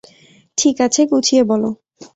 ঠিক আছে, গুছিয়ে বল।